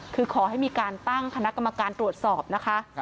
คือขอให้มีการตั้งคณะกรรมการตรวจสอบนะคะ